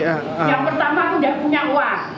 yang pertama aku nggak punya uang